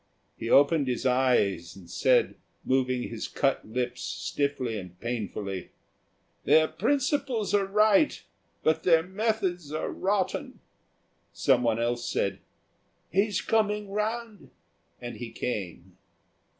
He opened his eyes and said, moving his cut lips stiffly and painfully, "Their principles are right, but their methods are rotten." Someone else said, "He's coming round," and he came.